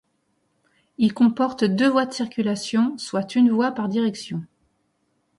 Il comporte deux voies de circulation, soit une voie par direction.